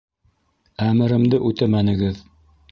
Әмеремде үтәмәнегеҙ.